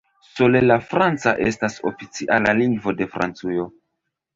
Sole la franca estas oficiala lingvo de Francujo.